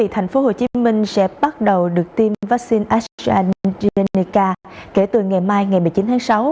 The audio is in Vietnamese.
tp hcm sẽ bắt đầu được tiêm vaccine astrazeneca kể từ ngày mai một mươi chín tháng sáu